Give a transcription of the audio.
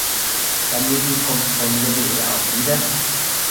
Daneben komponierte er auch Lieder.